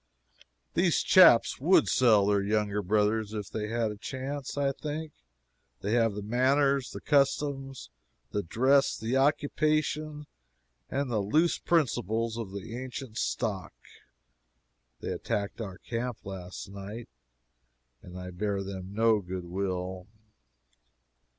These chaps would sell their younger brothers if they had a chance, I think. They have the manners, the customs, the dress, the occupation and the loose principles of the ancient stock. [They attacked our camp last night, and I bear them no good will.